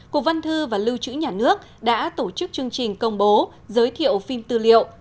cục văn thư và lưu trữ nhà nước đã tổ chức chương trình công bố giới thiệu phim tư liệu